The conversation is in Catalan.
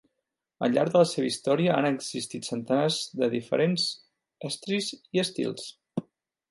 Al llarg de la seva història han existit centenars de diferents estris i estils.